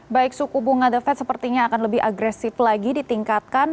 baik suku bunga the fed sepertinya akan lebih agresif lagi ditingkatkan